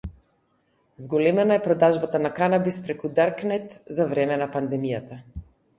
Зголемена е продажбата на канабис преку Даркнет за време на пандемијата